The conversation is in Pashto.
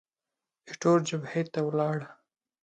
ایټور جبهې ته ولاړ.